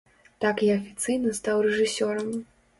Так я афіцыйна стаў рэжысёрам.